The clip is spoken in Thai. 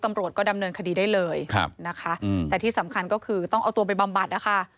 ตำรวจก็ดำเนินคดีได้เลยนะคะแต่ที่สำคัญก็คือต้องเอาตัวไปบำบัดนะคะ